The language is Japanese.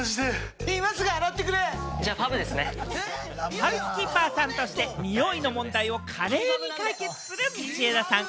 ハウスキーパーさんとして、においの問題を華麗に解決する道枝さん。